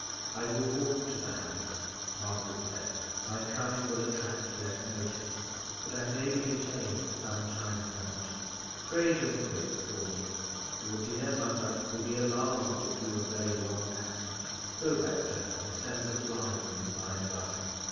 "I will walk to the house," Margaret said; "my coming will attract less notice. But I may be detained for some time, Clement. Pray, don't wait for me. Your dear mother will be alarmed if you are very long absent. Go back to her, and send the fly for me by and by."